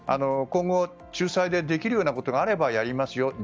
今後、仲裁でできるようなことがあればやりますよ